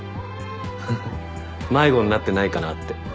ハハ迷子になってないかなって。